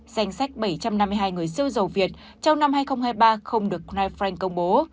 danh sách bảy trăm năm mươi hai người siêu giàu việt trong năm hai nghìn hai mươi ba không được knife frank công bố